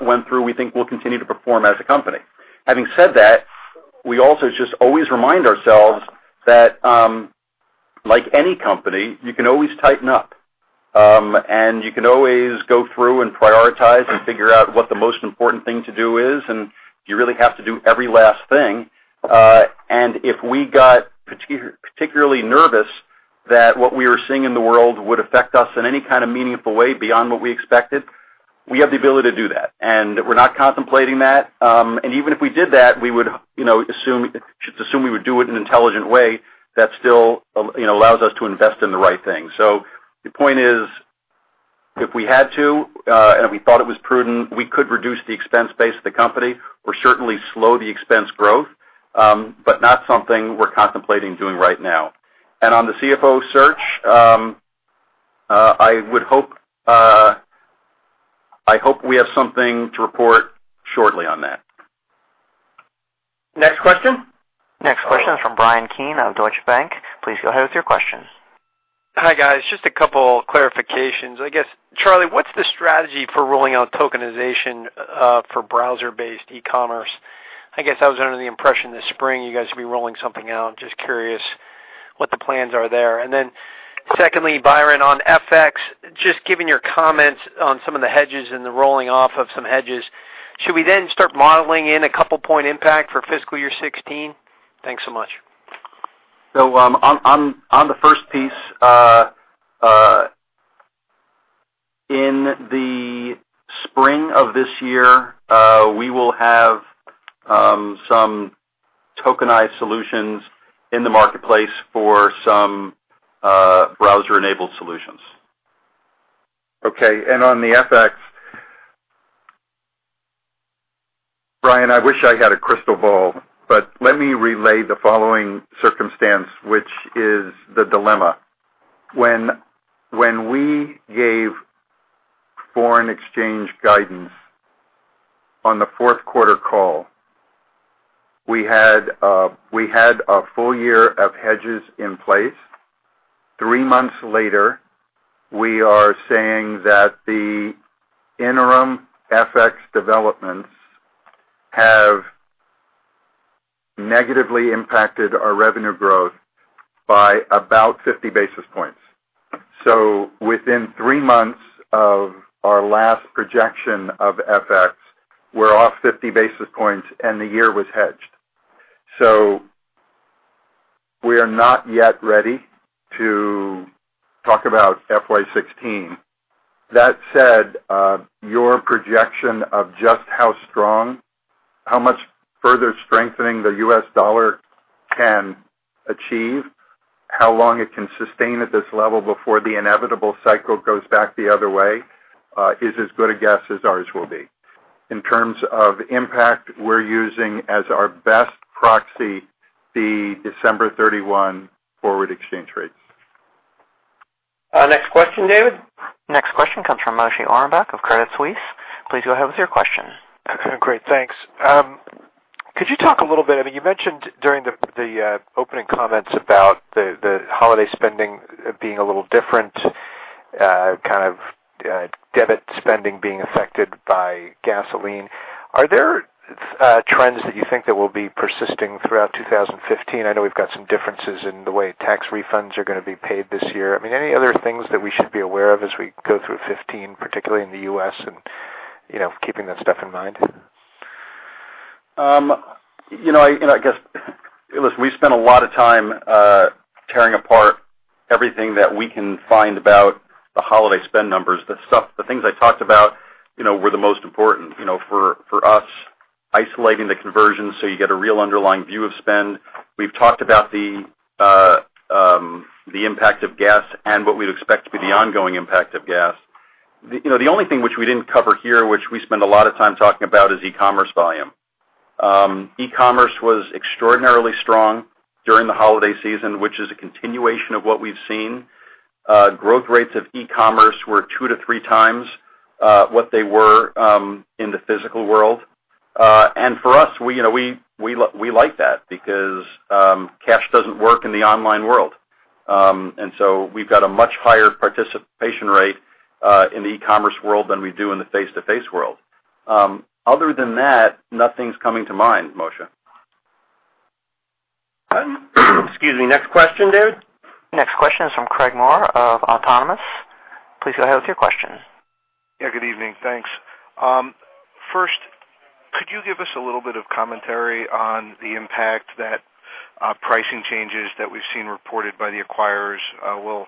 went through, we think we'll continue to perform as a company. Having said that, we also just always remind ourselves that like any company, you can always tighten up. You can always go through and prioritize and figure out what the most important thing to do is, and do you really have to do every last thing? If we got particularly nervous that what we were seeing in the world would affect us in any kind of meaningful way beyond what we expected, we have the ability to do that. We're not contemplating that. Even if we did that, just assume we would do it in an intelligent way that still allows us to invest in the right thing. The point is, if we had to and we thought it was prudent, we could reduce the expense base of the company or certainly slow the expense growth. Not something we're contemplating doing right now. On the CFO search, I hope we have something to report shortly on that. Next question. Next question is from Bryan Keane of Deutsche Bank. Please go ahead with your question. Hi, guys. Just a couple clarifications. I guess, Charlie, what's the strategy for rolling out tokenization for browser-based e-commerce? I guess I was under the impression this spring you guys will be rolling something out. Just curious what the plans are there. Secondly, Byron, on FX, just given your comments on some of the hedges and the rolling off of some hedges, should we then start modeling in a couple point impact for fiscal year 2016? Thanks so much. On the first piece, in the spring of this year, we will have some tokenized solutions in the marketplace for some browser-enabled solutions. Okay, on the FX. Bryan, I wish I had a crystal ball, but let me relay the following circumstance, which is the dilemma. When we gave foreign exchange guidance on the fourth quarter call, we had a full year of hedges in place. 3 months later, we are saying that the interim FX developments have negatively impacted our revenue growth by about 50 basis points. Within 3 months of our last projection of FX, we're off 50 basis points and the year was hedged. We are not yet ready to talk about FY 2016. That said, your projection of just how strong, how much further strengthening the U.S. dollar can achieve, how long it can sustain at this level before the inevitable cycle goes back the other way is as good a guess as ours will be. In terms of impact, we're using as our best proxy the December 31 forward exchange rates. Next question, David. Next question comes from Moshe Orenbuch of Credit Suisse. Please go ahead with your question. Great. Thanks. Could you talk a little bit? You mentioned during the opening comments about the holiday spending being a little different, kind of debit spending being affected by gasoline. Are there trends that you think that will be persisting throughout 2015? I know we've got some differences in the way tax refunds are going to be paid this year. Any other things that we should be aware of as we go through 2015, particularly in the U.S., and keeping that stuff in mind? I guess, listen, we spent a lot of time tearing apart everything that we can find about the holiday spend numbers. The things I talked about were the most important. For us, isolating the conversions so you get a real underlying view of spend. We've talked about the impact of gas and what we'd expect to be the ongoing impact of gas. The only thing which we didn't cover here, which we spend a lot of time talking about, is e-commerce volume. E-commerce was extraordinarily strong during the holiday season, which is a continuation of what we've seen. Growth rates of e-commerce were two to three times what they were in the physical world. For us, we like that because cash doesn't work in the online world. We've got a much higher participation rate in the e-commerce world than we do in the face-to-face world. Other than that, nothing's coming to mind, Moshe. Excuse me. Next question, David. Next question is from Craig Maurer of Autonomous. Please go ahead with your question. Good evening. Thanks. First, could you give us a little bit of commentary on the impact that pricing changes that we've seen reported by the acquirers will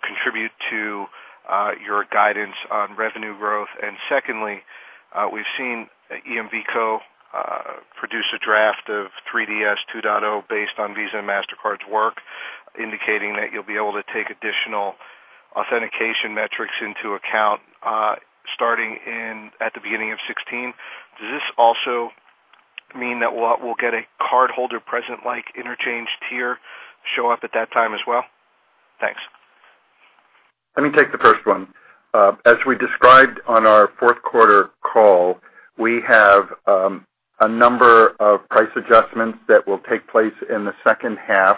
contribute to your guidance on revenue growth? Secondly, we've seen EMVCo produce a draft of 3DS 2.0 based on Visa and Mastercard's work, indicating that you'll be able to take additional authentication metrics into account starting at the beginning of 2016. Does this also mean that we'll get a cardholder present-like interchange tier show up at that time as well? Thanks. Let me take the first one. As we described on our fourth quarter call, we have a number of price adjustments that will take place in the second half.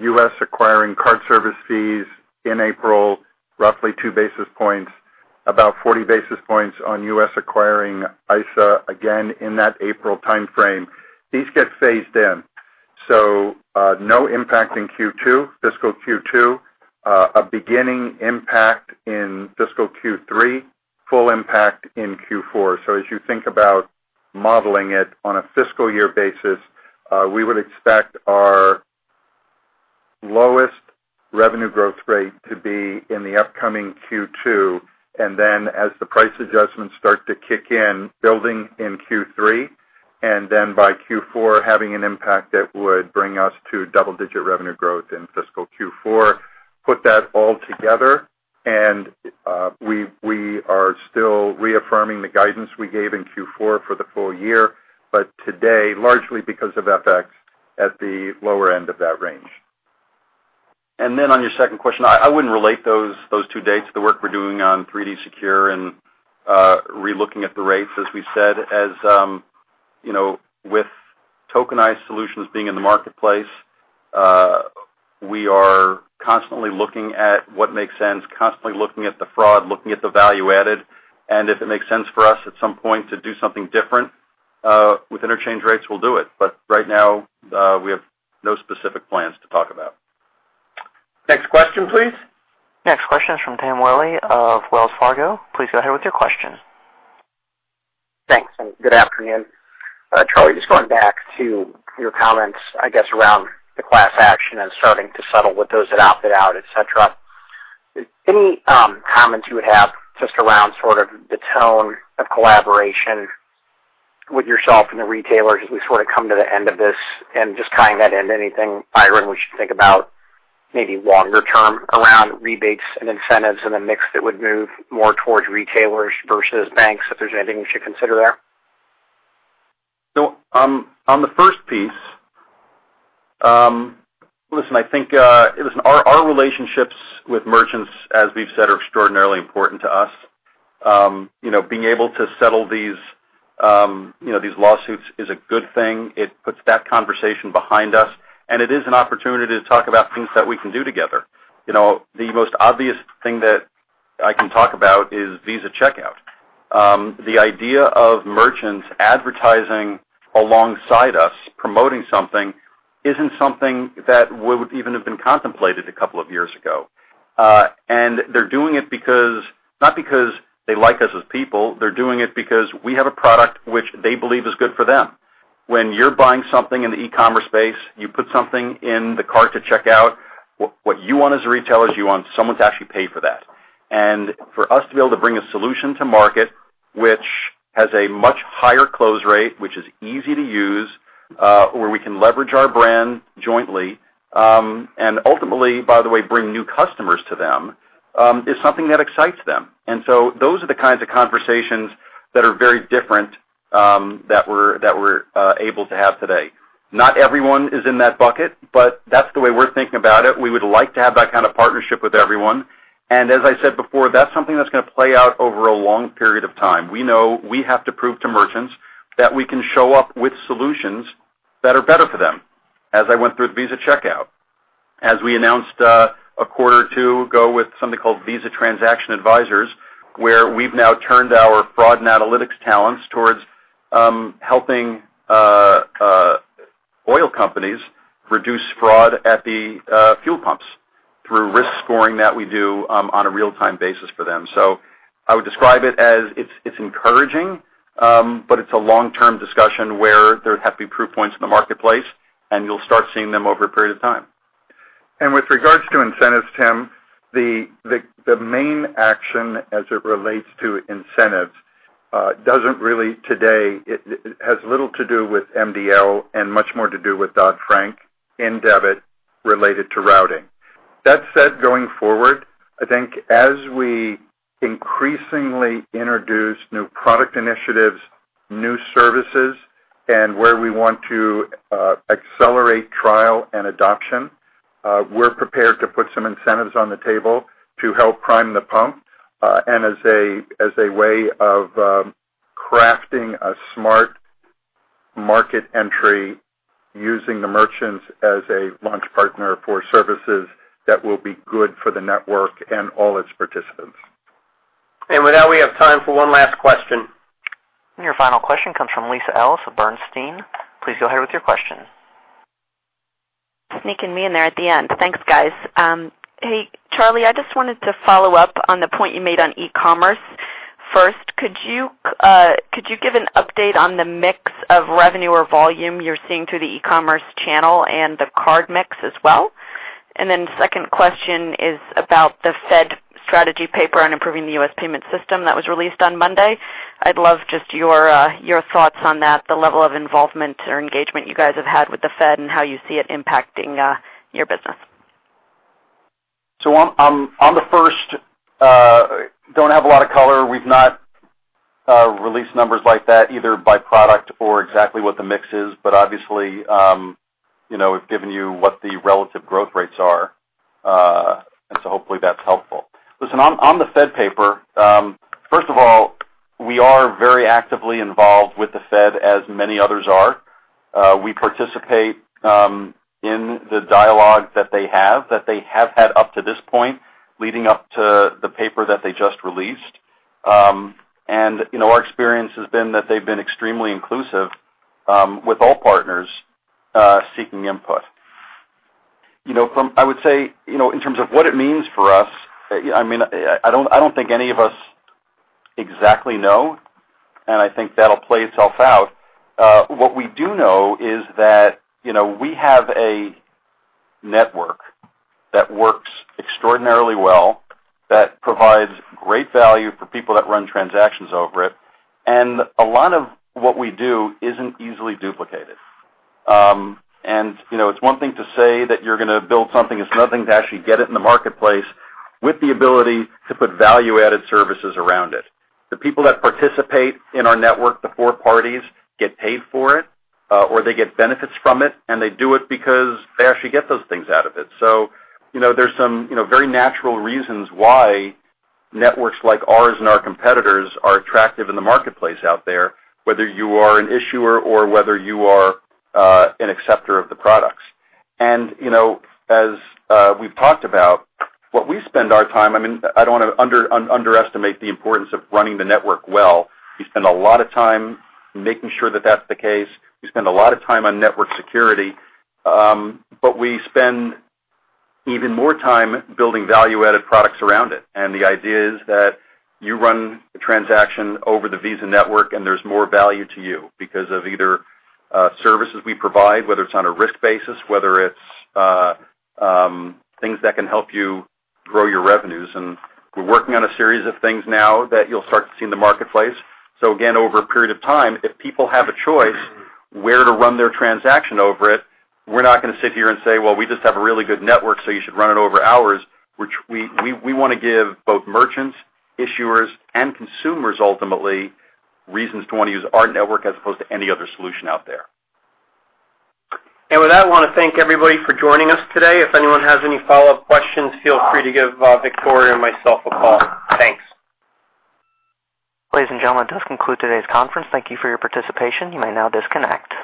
U.S. acquiring card service fees in April, roughly two basis points. About 40 basis points on U.S. acquiring ISA, again, in that April timeframe. These get phased in. No impact in fiscal Q2. A beginning impact in fiscal Q3. Full impact in Q4. As you think about modeling it on a fiscal year basis, we would expect our lowest revenue growth rate to be in the upcoming Q2. Then as the price adjustments start to kick in, building in Q3, and then by Q4, having an impact that would bring us to double-digit revenue growth in fiscal Q4. Put that all together, we are still reaffirming the guidance we gave in Q4 for the full year, today, largely because of FX at the lower end of that range. On your second question, I wouldn't relate those two dates to the work we're doing on 3D Secure and re-looking at the rates. As we said, with tokenized solutions being in the marketplace, we are constantly looking at what makes sense, constantly looking at the fraud, looking at the value added. If it makes sense for us at some point to do something different with interchange rates, we'll do it. Right now, we have no specific plans to talk about. Next question, please. Next question is from Timothy Willi of Wells Fargo. Please go ahead with your question. Thanks, and good afternoon. Charlie, just going back to your comments, I guess, around the class action and starting to settle with those that opted out, et cetera. Any comments you would have just around sort of the tone of collaboration with yourself and the retailers as we sort of come to the end of this and just tying that into anything, Byron, we should think about maybe longer term around rebates and incentives and the mix that would move more towards retailers versus banks, if there's anything we should consider there? On the first piece, listen, our relationships with merchants, as we've said, are extraordinarily important to us. Being able to settle these lawsuits is a good thing. It puts that conversation behind us, and it is an opportunity to talk about things that we can do together. The most obvious thing that I can talk about is Visa Checkout. The idea of merchants advertising alongside us promoting something isn't something that would even have been contemplated a couple of years ago. They're doing it not because they like us as people. They're doing it because we have a product which they believe is good for them. When you're buying something in the e-commerce space, you put something in the cart to check out, what you want as a retailer is you want someone to actually pay for that. For us to be able to bring a solution to market, which has a much higher close rate, which is easy to use where we can leverage our brand jointly. Ultimately, by the way, bring new customers to them is something that excites them. Those are the kinds of conversations that are very different that we're able to have today. Not everyone is in that bucket, but that's the way we're thinking about it. We would like to have that kind of partnership with everyone. As I said before, that's something that's going to play out over a long period of time. We know we have to prove to merchants that we can show up with solutions that are better for them. As I went through the Visa Checkout, as we announced a quarter or two ago with something called Visa Transaction Advisor, where we've now turned our fraud and analytics talents towards helping oil companies reduce fraud at the fuel pumps through risk scoring that we do on a real-time basis for them. I would describe it as, it's encouraging, but it's a long-term discussion where there have to be proof points in the marketplace, and you'll start seeing them over a period of time. With regards to incentives, Tim, the main action as it relates to incentives doesn't really it has little to do with MDL and much more to do with Dodd-Frank in debit related to routing. That said, going forward, I think as we increasingly introduce new product initiatives, new services, and where we want to accelerate trial and adoption, we're prepared to put some incentives on the table to help prime the pump, and as a way of crafting a smart market entry, using the merchants as a launch partner for services that will be good for the network and all its participants. With that, we have time for one last question. Your final question comes from Lisa Ellis of Bernstein. Please go ahead with your question. Sneaking me in there at the end. Thanks, guys. Hey, Charlie, I just wanted to follow up on the point you made on e-commerce. First, could you give an update on the mix of revenue or volume you're seeing through the e-commerce channel and the card mix as well? Then second question is about the Fed strategy paper on improving the U.S. payment system that was released on Monday. I'd love just your thoughts on that, the level of involvement or engagement you guys have had with the Fed, and how you see it impacting your business. On the first, don't have a lot of color. We've not released numbers like that, either by product or exactly what the mix is. Obviously, we've given you what the relative growth rates are. Hopefully that's helpful. Listen, on the Fed paper, first of all, we are very actively involved with the Fed, as many others are. We participate in the dialogue that they have, that they have had up to this point, leading up to the paper that they just released. Our experience has been that they've been extremely inclusive with all partners seeking input. I would say, in terms of what it means for us, I don't think any of us exactly know, and I think that'll play itself out. What we do know is that we have a network that works extraordinarily well, that provides great value for people that run transactions over it, a lot of what we do isn't easily duplicated. It's one thing to say that you're going to build something, it's another thing to actually get it in the marketplace with the ability to put value-added services around it. The people that participate in our network, the four parties, get paid for it, or they get benefits from it, and they do it because they actually get those things out of it. There's some very natural reasons why networks like ours and our competitors' are attractive in the marketplace out there, whether you are an issuer or whether you are an acceptor of the products. As we've talked about, what we spend our time, I don't want to underestimate the importance of running the network well. We spend a lot of time making sure that that's the case. We spend a lot of time on network security. We spend even more time building value-added products around it. The idea is that you run a transaction over the Visa network, and there's more value to you because of either services we provide, whether it's on a risk basis, whether it's things that can help you grow your revenues. We're working on a series of things now that you'll start to see in the marketplace. Again, over a period of time, if people have a choice where to run their transaction over it, we're not going to sit here and say, "Well, we just have a really good network, so you should run it over ours." We want to give both merchants, issuers, and consumers, ultimately, reasons to want to use our network as opposed to any other solution out there. With that, I want to thank everybody for joining us today. If anyone has any follow-up questions, feel free to give Victoria or myself a call. Thanks. Ladies and gentlemen, this concludes today's conference. Thank you for your participation. You may now disconnect.